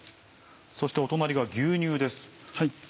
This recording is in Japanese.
そしてお隣が牛乳です。